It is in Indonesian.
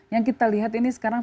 yang kita lihat ini sekarang